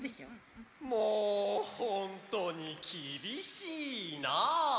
もうほんとにきびしいな！